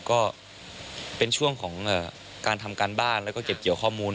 ก็เป็นช่วงของการทำการบ้านแล้วก็เก็บเกี่ยวข้อมูล